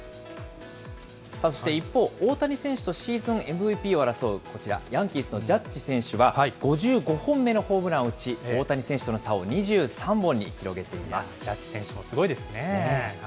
そして一方、大谷選手とシーズンＭＶＰを争うこちら、ヤンキースのジャッジ選手は５５本目のホームランを打ち、大谷選ジャッジ選手もすごいですね。